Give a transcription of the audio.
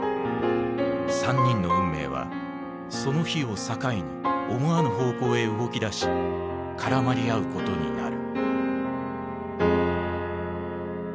３人の運命はその日を境に思わぬ方向へ動き出し絡まり合うことになる。